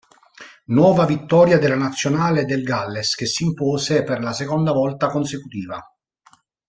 Nuova vittoria della nazionale del Galles che si impose per la seconda volta consecutiva.